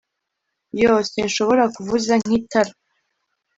Yoo sinshobora kuvuza nkitara